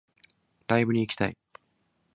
ライブに行きたい